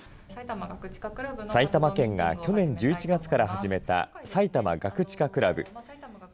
埼玉県が去年１１月から始めた、埼玉ガクチカクラブ。